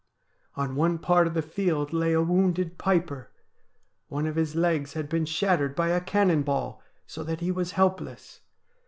On one part of the field lay a wounded piper. One of his legs had been shattered by a cannon ball, so that he was helpless.